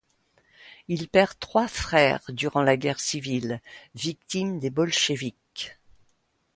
Il perd trois frères durant la guerre civile, victimes des bolchéviques.